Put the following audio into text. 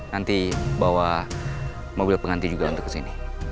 nanti bawa mobil pengganti juga untuk ke sini